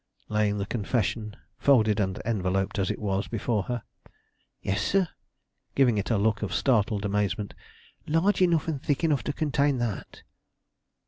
laying the confession, folded and enveloped as it was, before her. "Yes, sir," giving it a look of startled amazement, "large enough and thick enough to contain that."